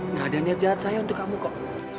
nggak ada niat jahat saya untuk kamu kok